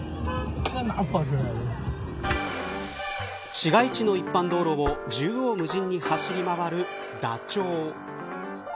市街地の一般道路を縦横無尽に走り回るダチョウ。